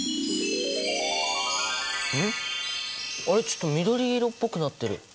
あれちょっと緑色っぽくなってる。